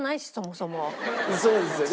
そうですよね。